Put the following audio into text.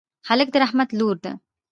هلک د رحمت لور دی.